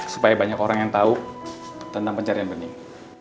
supaya banyak orang yang tahu tentang pencarian bening